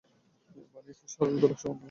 বানিয়েছেনে সরল দোলকসহ নানা যন্ত্র।